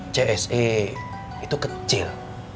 cse itu kecil